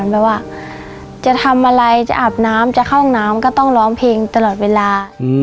แบบว่าจะทำอะไรจะอาบน้ำจะเข้าห้องน้ำก็ต้องร้องเพลงตลอดเวลา